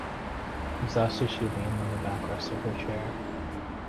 Exhausted she leaned on the backrest of her chair.